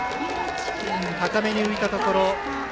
高めに浮いたところ。